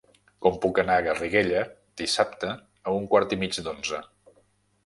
Com puc anar a Garriguella dissabte a un quart i mig d'onze?